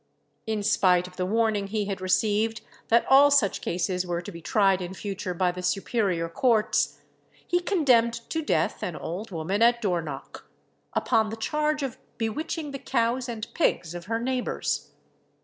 In spite of the warning he had received that all such cases were to be tried in future by the superior courts, he condemned to death an old woman at Dornoch, upon the charge of bewitching the cows and pigs of her neighbours.